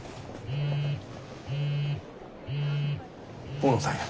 大野さんや。